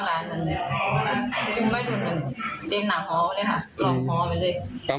ประมาทได้ประมานยี่สิบกว่าจึงสามสี่การ